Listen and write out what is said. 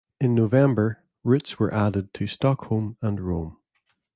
In November routes were added to Stockholm and Rome.